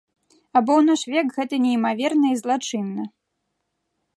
А бо ў наш век гэта неймаверна і злачынна.